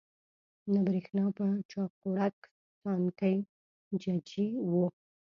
نه برېښنا په چاقوړک، سانکۍ ججي وو